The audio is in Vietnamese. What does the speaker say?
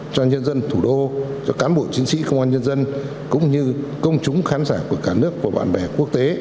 cho nhân dân thủ đô cho cán bộ chiến sĩ công an nhân dân cũng như công chúng khán giả của cả nước và bạn bè quốc tế